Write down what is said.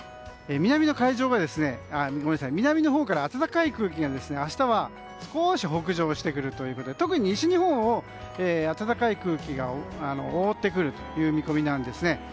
南のほうから暖かい空気が明日は少し北上してくるということで特に西日本を暖かい空気が覆ってくるという見込みなんですね。